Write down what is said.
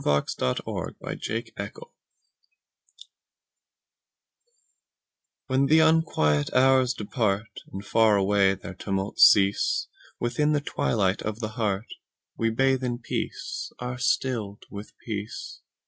134. The Hour of Twilight WHEN the unquiet hours departAnd far away their tumults cease, Within the twilight of the heartWe bathe in peace, are stilled with peace.